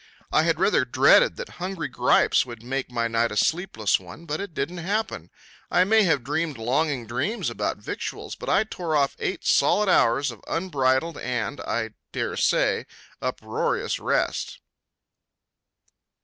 I had rather dreaded that hunger gripes would make my night a sleepless one, but it didn't happen. I may have dreamed longing dreams about victuals, but I tore off eight solid hours of unbridled and I dare say uproarious rest.